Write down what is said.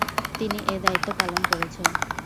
তিনি এ দায়িত্ব পালন করেছেন।